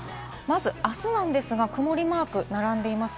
あすなんですが、曇りマークが並んでいます。